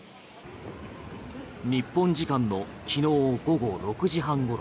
日本時間の昨日午後６時半頃